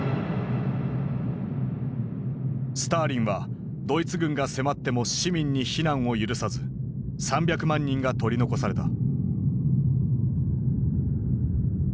スターリンはドイツ軍が迫っても市民に避難を許さず３００万人が取り残された。